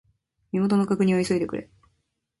身元の確認を急いでくれ。